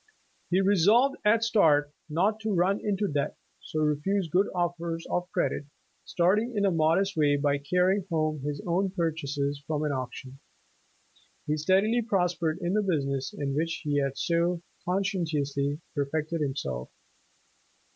He resolved at the start not to run into debt, so refused good offers 92 Independence Day of credit, starting in a modest way by carrying home his own purchases from an auction. He steadily pros pered in the business, in which he had so conscientious ly perfected himself.